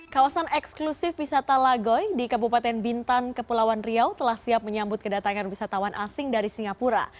kawasan eksklusif wisata lagoy di kabupaten bintan kepulauan riau telah siap menyambut kedatangan wisatawan asing dari singapura